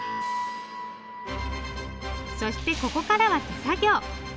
そしてここからは手作業。